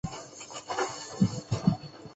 其头部现在在德罗赫达的中展出。